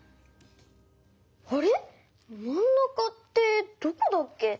あれまんなかってどこだっけ？